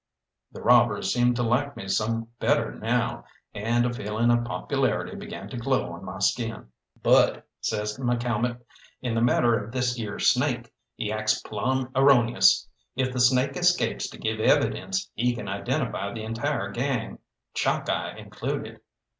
The robbers seemed to like me some better now, and a feeling of popularity began to glow on my skin. "But," says McCalmont, "in the matter of this yere snake, he acts plumb erroneous. If the snake escapes to give evidence, he can identify the entire gang, Chalkeye included.